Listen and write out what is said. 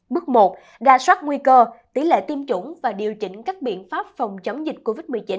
bước một đà soát nguy cơ tỷ lệ tiêm chủng và điều chỉnh các biện pháp phòng chống dịch covid một mươi chín